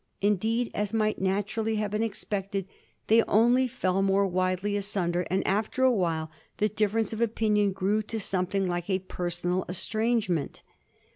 Indeed, as might naturally have been expected, they only fell more widely asunder, and after a while the difference of opinion grew to something like a personal estrangement.